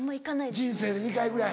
人生で２回ぐらい？